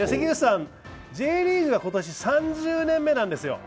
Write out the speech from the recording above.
Ｊリーグが今年３０年目なんですよ。